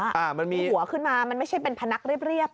มันมีหัวขึ้นมามันไม่ใช่เป็นพนักเรียบ